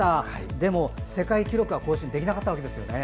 でも世界記録は更新できなかったわけですよね。